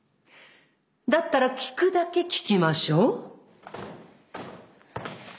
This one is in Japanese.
だったら聞くだけ聞きましょう。